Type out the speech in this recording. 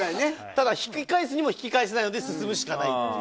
ただ、引き返すにも引き返せないので進むしかないっていう。